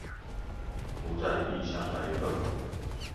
獨在異鄉來一客